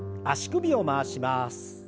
足首を回します。